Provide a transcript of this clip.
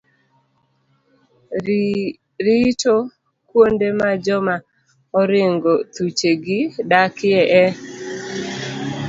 Ritokuondemajomaoringothuchegiodakieengimadwaroreahinyaegeng'oohalamarusonyithindo.